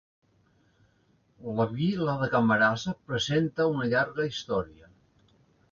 La vila de Camarasa presenta una llarga història.